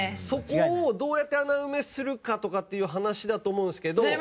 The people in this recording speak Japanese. そこをどうやって穴埋めするかとかっていう話だと思うんですけど。